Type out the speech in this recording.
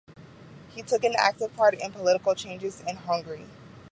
He took an active part in the political changes in Hungary.